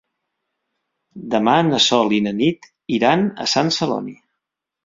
Demà na Sol i na Nit iran a Sant Celoni.